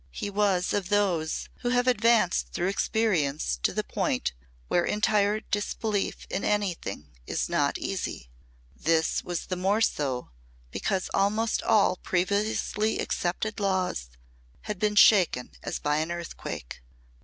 He was of those who have advanced through experience to the point where entire disbelief in anything is not easy. This was the more so because almost all previously accepted laws had been shaken as by an earthquake.